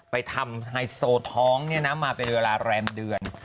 ไปทำไฮโซท้องเนี่ยนะมาเป็นเวลาแรมเดือน